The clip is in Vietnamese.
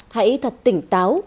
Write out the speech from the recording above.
hãy thật tỉnh táo